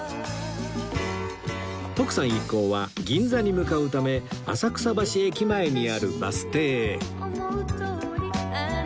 徳さん一行は銀座に向かうため浅草橋駅前にあるバス停へ